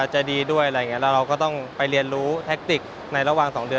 จะดีด้วยอะไรอย่างนี้แล้วเราก็ต้องไปเรียนรู้แท็กติกในระหว่าง๒เดือน